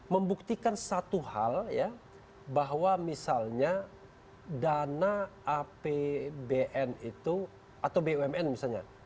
membuktikan satu hal ya bahwa misalnya dana apbn itu atau bumn misalnya